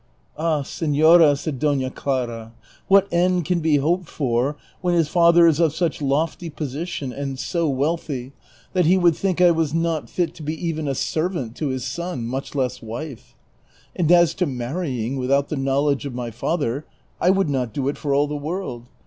" Ah, senora," said Dona Clara, " what end can be hoped for when his father is of such lofty position, and so wealthy, that Vol. I. — 24 370 DON QUIXOTE. lie would think I was not fit to be even a servant to liis son, much less wife ? And as to marrying without the knowledge of my father, I would not do it for all the Avorld.